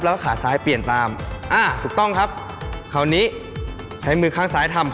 แล้วก็ขาซ้ายเปลี่ยนตามอ่าถูกต้องครับคราวนี้ใช้มือข้างซ้ายทำ